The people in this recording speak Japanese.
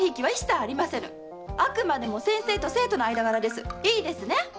あくまでも先生と生徒の間柄ですいいですね